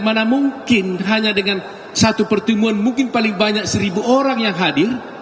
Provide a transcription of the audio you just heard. mana mungkin hanya dengan satu pertemuan mungkin paling banyak seribu orang yang hadir